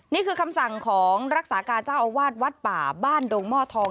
นี่คือคำสั่งของรักษาการเจ้าอาวาสวัดป่าบ้านดงหม้อทอง